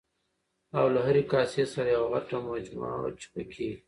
او له هرې کاسې سره یوه غټه مجمه وه چې پکې